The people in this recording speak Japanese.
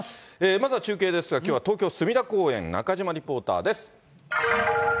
まずは中継ですが、きょうは東京・隅田公園、中島リポーターです。